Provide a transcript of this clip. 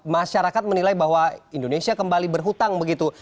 masyarakat menilai bahwa indonesia kembali berhutang begitu